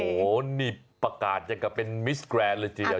โอ้โหนี่ประกาศอย่างกับเป็นมิสแกรนด์เลยทีเดียว